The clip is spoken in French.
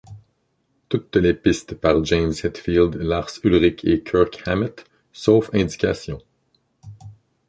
Toutes les pistes par James Hetfield, Lars Ulrich & Kirk Hammett, sauf indication.